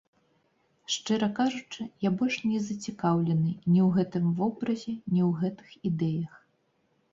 Шчыра кажучы, я больш не зацікаўлены ні ў гэтым вобразе, ні ў гэтых ідэях.